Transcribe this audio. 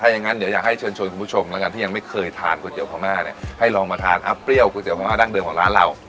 อย่างนั้นเดี๋ยวอยากให้เชิญชวนคุณผู้ชมแล้วกันที่ยังไม่เคยทานก๋วเตี๋พม่าเนี่ยให้ลองมาทานอัพเปรี้ยวก๋วพม่าดั้งเดิมของร้านเรา